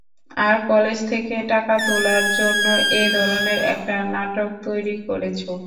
আর college থেকে টাকা তোলার জন্য এ ধরনের একটা নাটক তৈরি করেছো।